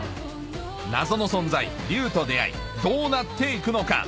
謎の存在竜と出会いどうなって行くのか？